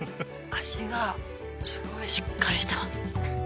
味がすごいしっかりしてます